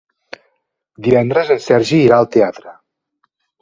Divendres en Sergi irà al teatre.